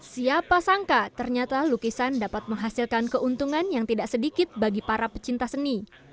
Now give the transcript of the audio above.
siapa sangka ternyata lukisan dapat menghasilkan keuntungan yang tidak sedikit bagi para pecinta seni